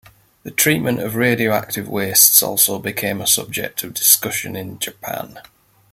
The treatment of radioactive wastes also became a subject of discussion in Japan.